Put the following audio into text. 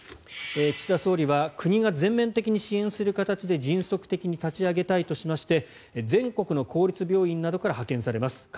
岸田総理は国が全面的に支援する形で迅速的に立ち上げたいとして全国の公立病院などから派遣されます。